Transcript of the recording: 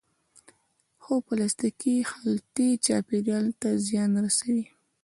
هو، پلاستیکی خلطی چاپیریال ته زیان رسوی